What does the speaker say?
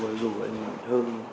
nói chung với dù anh hương